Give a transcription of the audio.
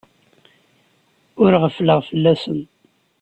Ur ɣeffleɣ fell-asen.